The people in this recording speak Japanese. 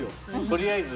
とりあえず。